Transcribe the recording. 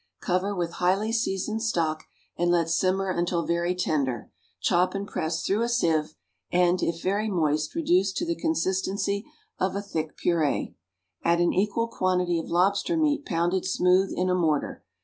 Cover with highly seasoned stock and let simmer until very tender; chop and press through a sieve, and, if very moist, reduce to the consistency of a thick purée. Add an equal quantity of lobster meat pounded smooth in a mortar.